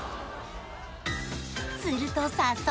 すると早速